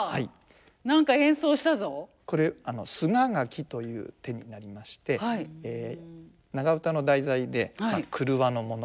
これ「すががき」という手になりまして長唄の題材で廓のもの